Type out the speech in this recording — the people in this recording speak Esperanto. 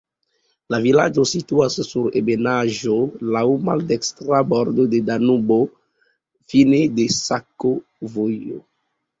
La vilaĝo situas sur ebenaĵo, laŭ maldekstra bordo de Danubo, fine de sakovojo.